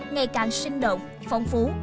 ngày càng sinh động phong phú